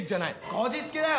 こじつけだよ。